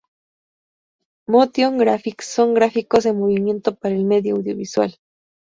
Motion Graphics son gráficos en movimiento para el medio audiovisual.